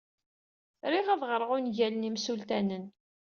Riɣ ad ɣreɣ ungalen imsultanen.